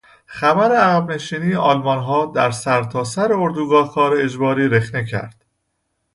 خبر عقب نشینی آلمانها در سر تا سر اردوگاه کار اجباری رخنه کرد.